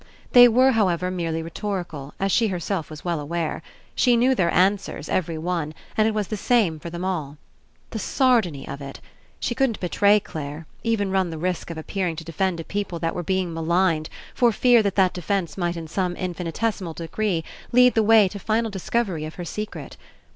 They were, however, merely rhetorical, as she herself was well aware. She knew their an swers, every one, and it was the same for them all. The sardony of it! She couldn't betray 89 PASSING Clare, couldn't even run the risk of appearing to defend a people that were being maligned, for fear that that defence might in some infini tesimal degree lead the way to final discovery of her secret.